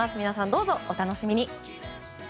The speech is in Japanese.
皆さん、どうぞお楽しみに。